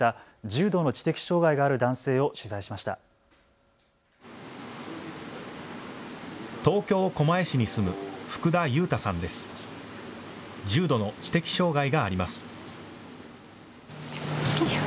重度の知的障害があります。